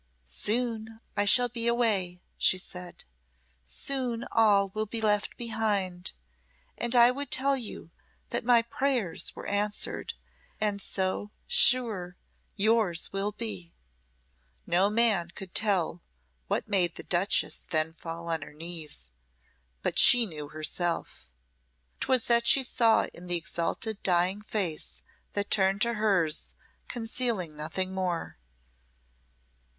"Soon I shall be away," she said. "Soon all will be left behind. And I would tell you that my prayers were answered and so, sure, yours will be." No man could tell what made the duchess then fall on her knees, but she herself knew. 'Twas that she saw in the exalted dying face that turned to hers concealing nothing more.